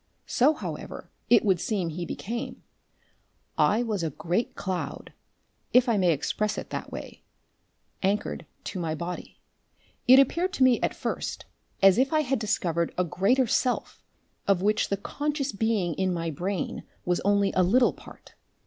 So, however, it would seem he became. "I was a great cloud if I may express it that way anchored to my body. It appeared to me, at first, as if I had discovered a greater self of which the conscious being in my brain was only a little part.